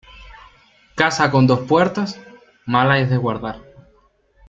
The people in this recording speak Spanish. Casa con dos puertas, mala es de guardar.